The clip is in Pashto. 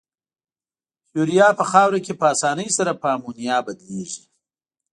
یوریا په خاوره کې په آساني سره په امونیا بدلیږي.